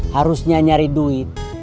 harusnya nyari duit